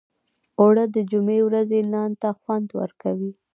اوړه د جمعې ورځې نان ته خوند ورکوي